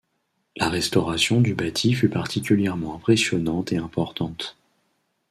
La restauration du bâti fut particulièrement impressionnante et importante.